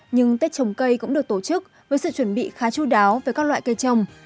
nhưng tết trồng cây cũng được tổ chức với sự chuẩn bị khá chú đáo về các loại cây trồng